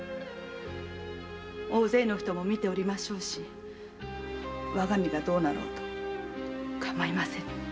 大勢の人も見ておりましょうし我が身がどうなろうと構いませぬ。